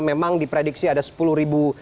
memang diprediksi ada sepuluh ribu